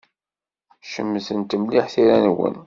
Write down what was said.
Cemtent mliḥ tira-nwen.